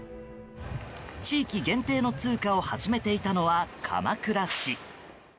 地域限定の通貨を始めていたのは鎌倉市。